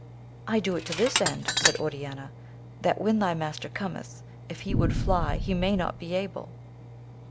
I do it to this end, said Oriana, that, when thy master cometh, if he would fly, he may not be able.